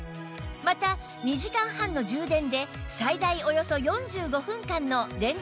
また２時間半の充電で最大およそ４５分間の連続運転が可能